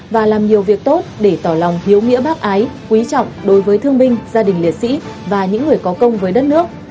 và làm nhiều việc tốt để tỏ lòng hiếu nghĩa bác ái quý trọng đối với thương binh gia đình liệt sĩ và những người có công với đất nước